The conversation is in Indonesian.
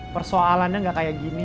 persoalannya gak kayak gini